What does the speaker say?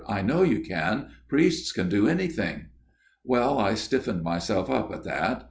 I know you can. Priests can do anything.' "' Well, I stiffened myself up at that.